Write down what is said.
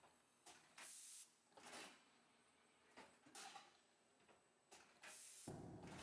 He was also supposed to prefer Augusta to her older sister.